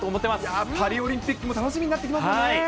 やっぱりオリンピックも楽しみになってきますよね。